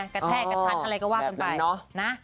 กระแทะกระทัดอะไรก็ว่า